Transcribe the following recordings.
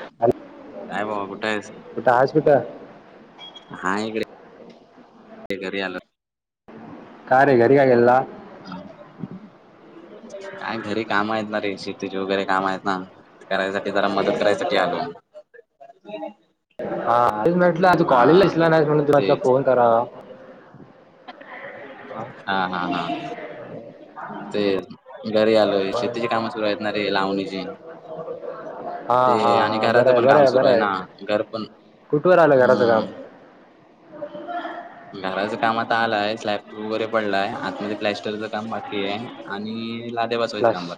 Hello, काय बाबा कुठे आहेस? कुठं हायस कुठं? हाय इकडे. ते घरी आलं. का रे घरी का गेलेला? काय घरी काम आहेत ना रे, शेतीचे वगैरे काम आहेत ना. करायसाठी जरा मदत करायसाठी आलो. हा म्हटलं आज हा कॉलेजला दिसला नाही म्हणून तुला एकदा तेच फोन करावा. हा हा हा तेच घरी आलोय. ती पण- शेतीची कामं सुरू आहेत ना रे लावणीची. हा ते हा आणि हा बरं घराच आहे पण बरं काम आहे सुरू बरं हाय आहे. ना, घर पण कुठवर आलं घराचं काम? हम्म [inaudible] घराचं काम आता आलंय, स्लॅब वगैरे पडलाय, आतमध्ये प्लॅस्टरच काम बाकीये आणि लाद्या क्लास बा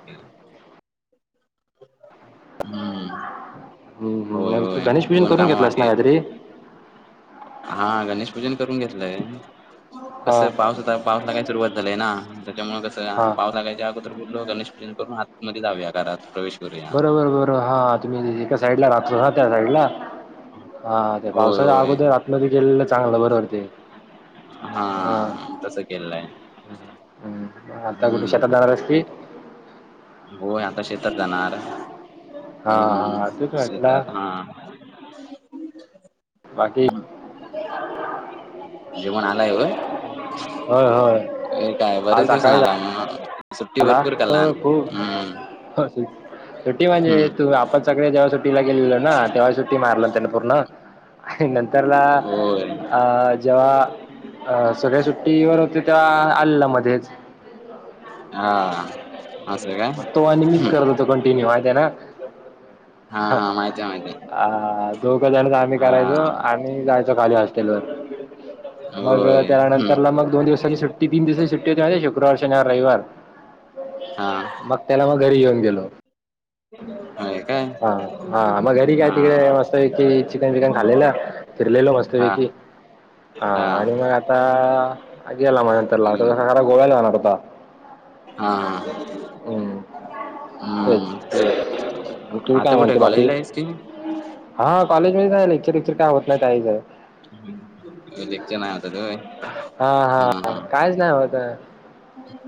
हम्म, [unintelligible] हम्म. होय मग तू होय, गणेश पूजन दोन करून काम घेतलास बाकी ना येत. काहीतरी? हा गणेश पूजन करून घेतलंय, कस हा पाऊस आता पाऊस लागाय सुरुवात झालंय ना, त्याच्यामुळ कसं, हा पाऊस लागायच्या अगू तर बोललो गणेश पूजन करून आतमध्ये जाऊया घरात प्रवेश करूया. बरोबर बरोबर हा तुम्ही एका साईड ला राहतो ना, त्या साईड ला. हा ते होय पावसाच्या होय अगोदर आतमध्ये गेलेलं चांगलं, बरोबर ते. हा तसं केलंय हम्, आता कुठं शेतात जाणार हम्म हायस की होय आता शेतात जाणार. हा हा तेच म्हटलं शेतात हा [unintelligible] बाकी जेवण आलाय काय? होय होय हे काय बरेच दिवसान आला ना? अला हो खूप. सुट्टी म्हणजे तू हम्म आपण सगळे जेव्हा सुट्टीला गेलेलो ना तेव्हा सुट्टी मारलं त्याने पूर्ण. आणि नंतरला होय अ जेव्हा. अ सगळ्या सुट्टीवर होते तेव्हा आलेला मध्येच. हा. असं काय तो आणि मीच हम्म करत होतो कंटिन्यू माहितेय ना? हा हा माहितीय माहितीय. आ दोघ जण मी करायचो आणि जायचो खाली हॉस्टेल वर. मग होय हम्म त्यानंतरला मग दोन दिवसांनी सुट्ट ती तीन दिवसची सुट्टी होती, शुक्रवार, शनिवार रविवारचा हा. त्याला मग घरी घेऊन गेलो. होय. काय हा हा मग घरी काय हा तिकडे मस्त पैकी चिकन बिकन खाल्लेलं फिरलेलो मस्त हा पैकी हा आणि मग आता गेला माझ्या नंतर हम्म आता खरं गोव्याला जाणार होता. हा हम्म तेच हू. तू काय आता कुठे म्हणतो बाकी कॉलेजला हायस की? हा कॉलेजमधेच हाय, लेक्चर बी क्चर काय होत नाहीत. [unintelligible] हा हा कायच नाही होत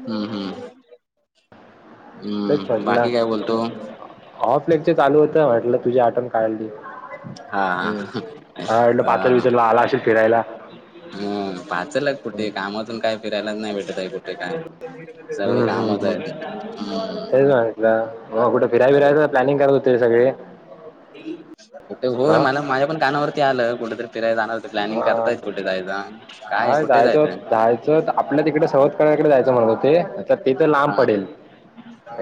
हम्म हम्म. हम्म बाकी काय बोलतो मग? ऑफलाईक् चाल होतं म्हटलं तुझ आठ. हा [unintelligible] पातर बितर आला असेल फिरायला. ह पाच सलग हम्म कुठे? कामातून काय फिरायलाच नाही भेटतई कुठे काय? सर्व हम्म कामच आहेत. कुठ फिरायला हम्म. जायचं प्लॅनिंग करत होते सगळे. होय हा मला माझ्या पण कानावरती आलं कुठेतरी फिरायं जानारत होती प्लॅनिंग हा करतायत कुठे जायच? काय हा कुठे जायचं जायचय? जायचं आपल्या तिकडे सवतकड्याकडे जायचं म्हणत होते आता ते तर लांब हा! पडेल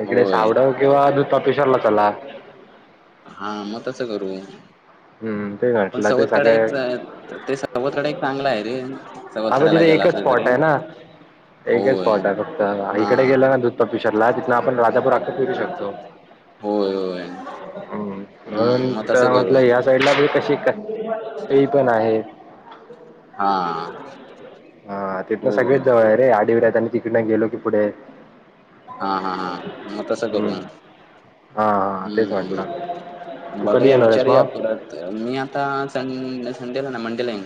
इकडे होय सावडव किंवा दुतापेशरला चला. हा मग तस करू हम्म ते पण म्हटलं ते सवत सगळे काढायचाय तर ते सावत कडे एक चांगल आहे रे. हा म सवतकड्याला तिथ गेला एकच असेल तरी. स्पॉट आहे ना? एकच होय स्पॉट आहे फक्त हा इकडे गेलं ना दुध पिशरला तिथं आपण राजापूर अख्ख फिरू शकतो. होय. होय हो! म्हणून हम्म मग त्याला तसं करू म्हटलं या साईडला पण कशी काय पण आहे. हा! हा तीथन सगळेच होय जवळ आहे रे आडीवर आणि तिकीडनं गेलो की पुढे हा हा हा मग तसं करू हम्म. मग. हा हा तेच म्हटलं हम्म तू कधी बघुया येणार आहेस विचारूया मग पुरा मी आता सं संडेला ना मंडेला येईन.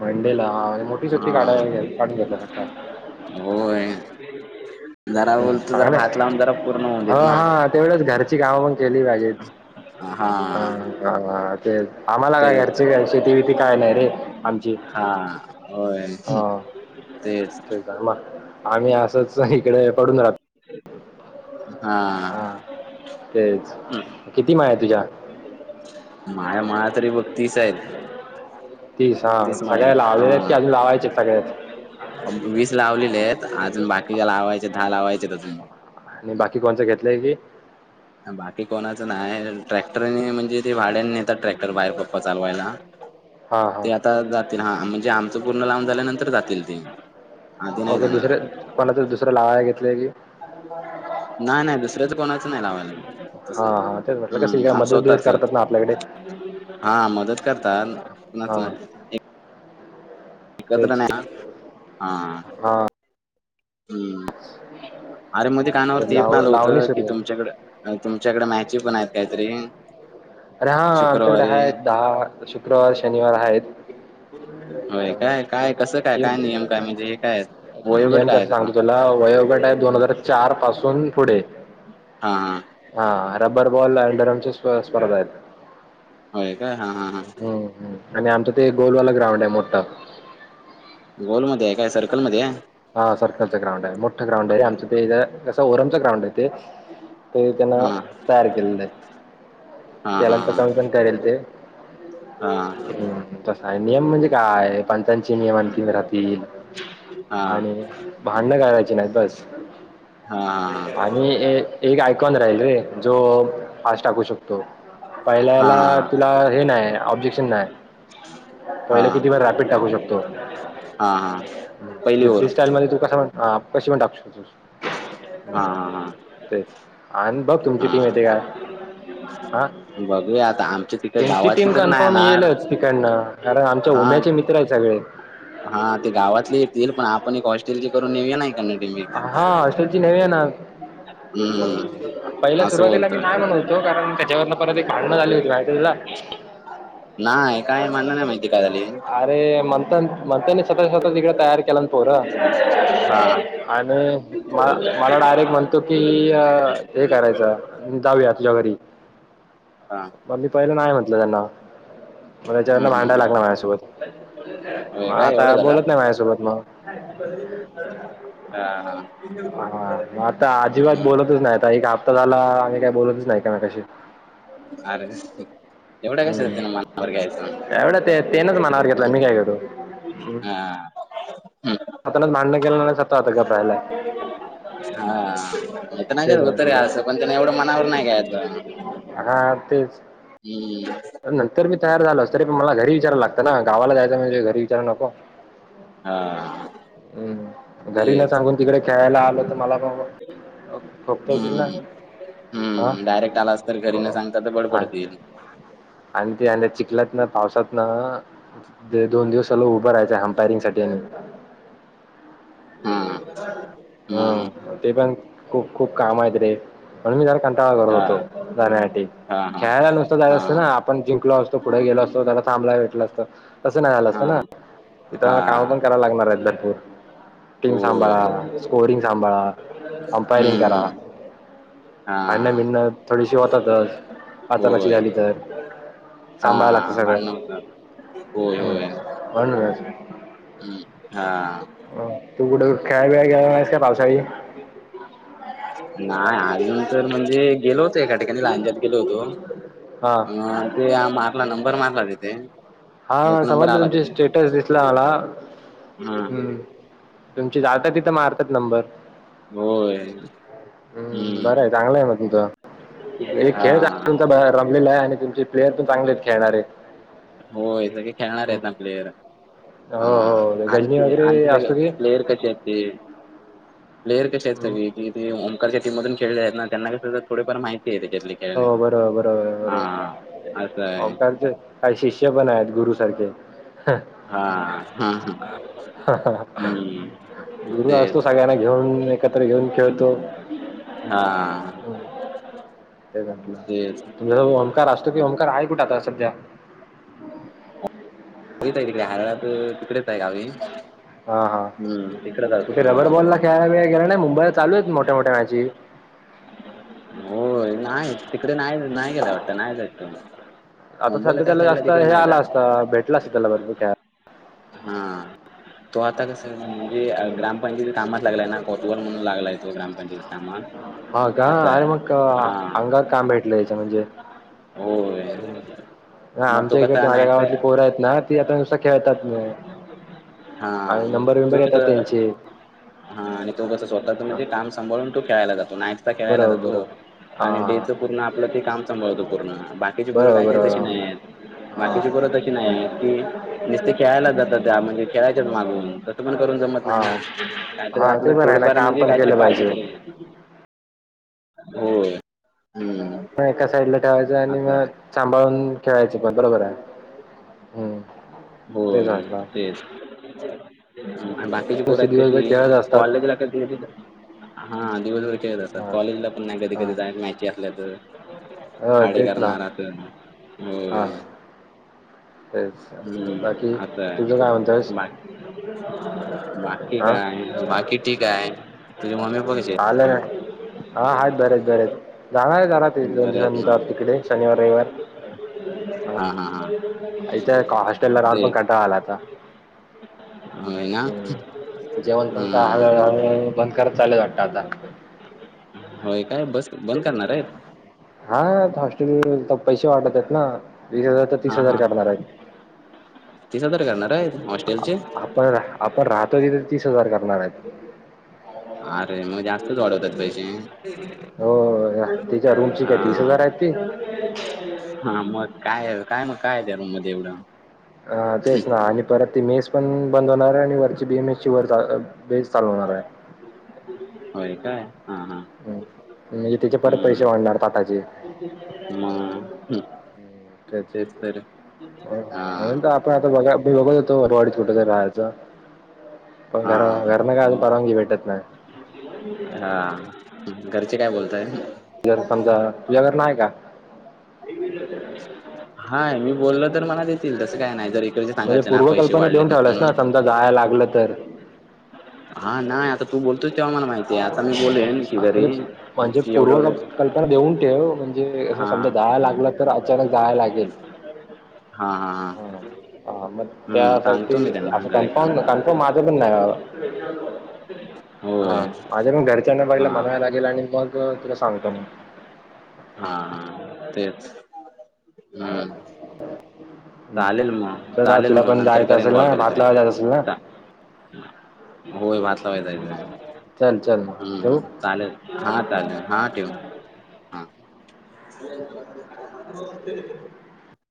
मंडेला हा मोठी सुट्टी काढाय हा लागेल काढून घेतला स होय. जरा बोलत जरा चांगलंच भात लावून जरा पूर्ण होऊ देत हो ना. हा तेवढंच घरची कामं पण केली पाहिजेत हा! हा ते आम्हाला काय तेच घरची शेती बीती काय नाही रे आमची. हा होय हा तेच! आम्ही असंच इकडे पडून राहतो. हा! हा तेच किती माया तुझ्या? माया माझ्या तरी बघ तीस आहेत. तीस हां, सगळ्या लावलेल्या आहेत की अजून लावायचे आहेत सगळ्याच? वीस लावलेल्या आहेत अजून बाकीच्या लावायच्या आहेत अजून दहा लावायचेत अजून. आणि बाकी कोणचं घेतलंय ते? बाकी कोणाचं नाही ट्रॅक्टर आणि हे म्हणजे ते भाड्याने नेतात ट्रॅक्टर बाहेर पप्पा चालवायला. [inaudible] हां हां! ते आता जातील हा म्हणजे आमचं पूर्ण लाऊन झाल्यानंतर जातील ते. आधी नाही ओके जाणार. दुसरे कोणाच दुसर लावा घेतले की? नाय नाय दुसऱ्याच कोणाच नाही लावायला. हां हां तेच म्हटलं कसं इकडे हम्म आमच मदत बिदत स्वतःच करतात ना आपल्याकडे हा मदत करतान. हा तेच हा! हा हम्म अरे मध्येे पण कानावरती ऐकणं लाव आलं लावणी होतं कि सुरू झाली तुमच्याकडे अ तुमच्याकडे मॅची पण आहेत कायतरी? अरे हा आमच्याकडे आहेत दहा शुक्रवार शनिवार आहेत. [inaudible] काय कसं काय काय नियम काय म्हणजे हे काय वयोगट नियम काय आहे कस सांगतो त्याचा तुला वयोगट आहे दोन हजार चार पासून पुढे. हा हा! हा रब्बर बॉल अडरमची स्पर्धा आहेत होय काय हा हा हा हम्म. आणि आमच ते गोलवाला ग्राउंड आहे मोठ. गोलमध्ये आहे काय सर्कलमध्ये? हा सर्कलचं ग्राउंड आहे मोठं ग्राउंड आहेेमचं ते कस ओरमच ग्राउंड आहे ते. ते त्यांन हा तयार केलंले आहेत. हा त्यालांतर हा कमी पण कळेेल ते हा हा हम् तसा आहे नियम म्हणजे काय पंचांचे नियम आण त राहतील हा हा आणि भांणं कयरायची नाही बस हा ह आणि एक आयकॉन राहील रे जो फास् टाकू शकतो हा पहिल्याला हा तुला हा हे नाही ऑब्जेक्शन नाही पहिले हा किती फार रॅपिड टाकू शकतो हा हा पहिली म्हणजे ओवर फ्री स्टाईल मध्ये तू कसा कशीण टाकु शकतो हा हा ते आणि बघ हा तुमची टीम येते का हा बघूया आता आमच्या तिथं गावातली तर नाहीणार ठिक आहे न कारण आमच्या उम्याचे च मित्र आहे सगळे हा ते गावातले येतील पण आपण एक हॉस्टेल करून येेऊया नाही का हा हॉस्टलची नवी आहे ना हम् पहिल्या सुरुवातीला मी नाही म्हण होतो कारण त्याच्यावरन परत एक भांडणं झाली होती माहिती तुला नाही काय म्हणण नाही माहिती का झाली अरे म्हणता म्हणतानी स्वतः स्वतः तिकडे तयार केला ना पोर हा आणि म मला डायरेक्ट म्हणतो की हे करायचं दाव्या तुझ्या घरी हा मग मी पहिलं नाही म्हटलं त्यांना म हम्म त्याच्याना हम्म भांडायला हम्म लागला माझ म होय काय एवढं आता झालं बोलत नाही माझ्यासोबत मग हा हा हॉ [unintelligible] हा आता अजिबात हम्म बोलतच नाही आता एक हप्ता झाला आम्ही काही बोलतच नाही का म कशी अरे येवढं कशाला त्यानं मनावर घ्यायचं एवढं ते तेनच मनावर घेतला मी काय करू हा हम्म आतानाच भांडणं केलं नाही सत आता घप रायला नाही तर नाही होतरी असं पण त्यां नाही एवढं मनावर नाही घ्यायच हा तेच हम्म नंतर मी तयार झालो तरी पण मला घरी विचारयला लागत ना गावाला जायच म्हणे घरी विचाराला नको हा हम् घरी ना तेच सांगून तिकडे खेळायला आलं तर मला प खोक्ता येतील ना हम्म. हम्म डायरेक्ट आलास तर घरी न ह सांगता तर बड पडतील. आणि ते चिखल्यात ना पावसात ना देढ़ दोन दिवस सल उभं राहायचं ह साठी आणि हम्म हम्म हा ते पण खूप खूप काम आहेत रे म्हणून मी जर का करत हा होतो जाण्यासाठी हा खेळायला नुसत हा जायचं हा असं ना आपण जिंकलो असतो पुढे गेलो असतो त्या थांबला भेटलं असतं तसं नाही आलं हा असतं ना इतरांना काम पण हा करायला लागणार आहेत भरपूर टीम होय सांभाळा स्कोरिंग सांभाळा अंपयरिंग करा हम्म हा अन बिन थोडीशी होतातच आताकशी होय झाली तर सांभाळायला लागतं हा सगळं मण हो हो हम्म. म्हणूनच हा तू कुठे खेळावेेळा गेलास का पावसाळी नाही अरऊन तर म्हणजे गेलो होतो एका ठिकाणी लांच्यात गेलो होतो हां अ ते मारला नंबर मारला तेते हा समजलं तुम स्टटस मला् हा तुमची जात तिथं मारतात नंबर होय हम्म बर आहे चांगलं आहे म तुमचा एक हा खेळ तुमचा रमलेला आहे आणि ते प्लेयर पण चांगले खेळणार आहेत होये खेळणार आहेत हम्म. ना प्लेयर हो हा हो आणख गजनी आणख वगैरे स असतो की प्लेयर कसे आहेत ते प्लेअर कश असत हम्म. ते ओकारच्या टीमधून खेळले आहेत ना त्यांना कस थोडेफार माहिती हो बरोबर बरोबर ह बरोबर अस ओंकारचे काही शिष्य पण आहेत गुरु सारखे हा हा हा हा हम्म गुरु असतो तेच सगळ्यांना घेऊन एकत्र घेऊन खेळतो हा ते तेच तुमस ओंकार असतो कि ओंकार आहे कुठं आता सध्या य आहे त काय हरळ तिकडेच आहे गावी हा हा हम्म तिकडेच कुठे रबर बॉलला असतो खळायलाेळय गेला नाही मुंबईला चालू आहेत मोठ्या मोठ्या मॅची हो नाही तिकडे नाही नाही गेला वाटत नाही तु आता सध्या त्याला जास्त हे आला असतं भेटला असतं त्याला बरबरय हा तो आता कस म्हणजे ग्रामपंचायती कामच लागलाय ना कोटवल म्हणून लागलाय तो ग्रामपंचायती काम. हा का आणि, मंगअंगावर काम भेटले याच्या म्हणजे होय ह मग तो आमच्या इकड कसा माझ्या नाईटचा गावातली पोर ना ते आता नुसता खेळतात ना हा आणि मग नंबर बंबर तो येतात कसं त्यांचे हा आणि तो कस स्वतःच म्हणजे काम सांभाळून तू खेळायला जातो नाॅक्चा खेळायला बरोबर जातो बरोबर. आणि हां, डेच हां. पूर्ण आपलं ते काम सांभळवत पूर्ण बाकीची पूरं काय बरोबर, काय तशी नाही बरोबर. आहेत हां, बाकीची परत की नुस खेळायलाच जात त्या म्हणजे खेळायच्याच मागून तस पण करून जमत नाही हां. ना. तर हां, ते आपलं पण आहे ना थोडंफार काम म्हणजे पण काहीतरी केलं पाहिजे हो हम्म म एका साइड ला ठेवायचं आणि असं आहे मग सांभाळून ठेवायचं पण बरोबर आहे हं, हो तेच म्हटलं. तेच बाकीची पुोर य नुसते दिवसभर खेळत ती असतात. कॉलेजला क हा दिवसभ हां, कॉलेजला प नाही कधी हां. कधीय मॅ असल्या तर हो, खाडे तेच ना. करणार. हो तेज हम्म आता मंग बाकी हां, काय बाकी ठीक, आहे, तुझे मम्मी पप्पा कसेत आलं, काय हा आहेत बरेत, बरेत जाणार आहे जाणार आहेत दोन बरे आहेत दिवसाांनंतर ना तिकडे शनिवार रविवारज्ञ हा हा हा ते ओ होय ना ह, जेवून, पण का हम्म हळूहळू बंद करीत चालले वाटतं आत्ता. होय काय बस बंद करणार आहे हा हॉस्टेल तर पैसे वाढत, आहेत ना वीस हजार तर तीस हा हजार हा करणार आहेत तीस हजार करणारे आ- हॉस्टेलचे आपण आपण राहतो तिथ तीस हजार करणार आहेत अरे मग जास्तच वाढवतात पैसे होय, होय. हा हा मग काय काय मग काय त्या रूम मध्ये एवढं. अ तेच ना आणि परत ती मेस पण बंद होणार आहे आणि वरची बीएम एसची वर बेस चालू होणार आहे. होय काय हा हा. म्हणजे त्याचे परत पैसे वाढणार ताटाचे मा, ह. तेच हा आणि आपण आता बघा बघत होतो मोरवाडीत छोटस राहायचं. पण हा घराला पण परवानगी भेटत नाही. हा घरचे काय बोलताय? जर समजा तुझ्या घरला आहे का? हाय मी बोलल तर मला देतील तस काय नाही जरी म्हणजे पूर्वकल्पना देऊन ठेवल्यास ना समजा जायला लागलं तर हा नाही आता तू बोलतो तेव्हा मला माहिती ते आता मी बोललेन की घरी म्हणजे म्हणजे क एवढे पूर्व एवढ कल्पना देऊन ठेव म्हणजे असं हा. समजा जायला लागलं तर अचानक जायला लागेल हा हा हा. हां हां मग हम्म सांगतो मी त्यासाठी त्यांना असं घरय का? कन्फर्म कन्फर्म माझं पण नाही बाबा. होय. माझे मग घरच्यांना बघयला हा म्हणावं हा लागेल आणि मग तुला सांगतो मी हा हा तेच हम्. चालेल मग तर चालेल तुला मग पण नंतर जायचं करेन असेल कॉल ना भात कधीतरी लावायला जायचं असेल ना होय वाचलावाय तय चल चल मग ठेवू हम्म. चालेल हा चालेल हा टीव हा. हो.